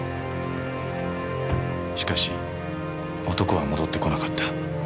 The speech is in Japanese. しかし男は戻ってこなかった。